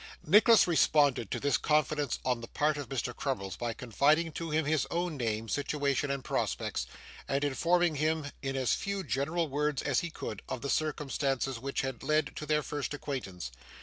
Nicholas responded to this confidence on the part of Mr. Crummles, by confiding to him his own name, situation, and prospects, and informing him, in as few general words as he could, of the circumstances which had led to their first acquaintance.